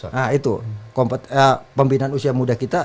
nah itu pembinaan usia muda kita